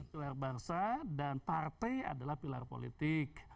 pilar bangsa dan partai adalah pilar politik